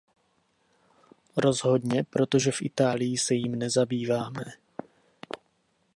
Rozhodně, protože v Itálii se jím nezabýváme.